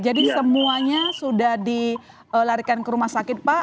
jadi semuanya sudah dilarikan ke rumah sakit pak